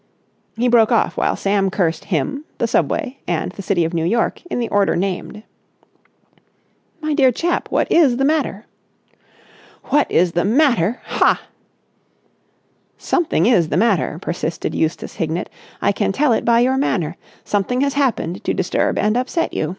He broke off while Sam cursed him, the Subway, and the city of New York in the order named. "My dear chap, what is the matter?" "What is the matter? Ha!" "Something is the matter," persisted Eustace Hignett. "I can tell it by your manner. Something has happened to disturb and upset you.